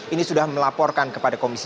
ini sudah melaporkan kepada komisi